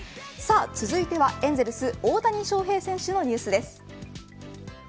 続いては、エンゼルス大谷翔平選手のニュースです。